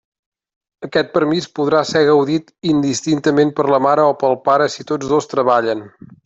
Aquest permís podrà ser gaudit indistintament per la mare o pel pare si tots dos treballen.